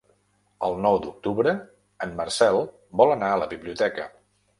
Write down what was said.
El nou d'octubre en Marcel vol anar a la biblioteca.